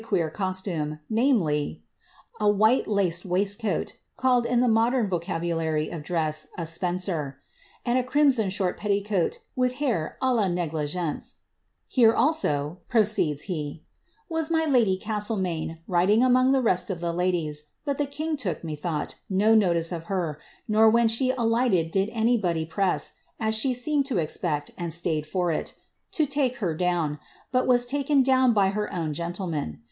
^ queer costume, namely, " a wiiite laced waistcoat (called, in the moden ^ vocabulary of dress, a spencer), and a crimson short petticoat, with bar a hi negUgcnce, Here also," proceeds he, ^ was my lady Csistleaaii^ riding among the rest of the ladies; but the king took, methougfat^M notice of her, nor when she alighted did anybody press (as she wttanH to expect, and staid for it) to take her down, but was taken dowibr her own gentleman.